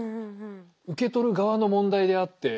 受け取る側の問題であって。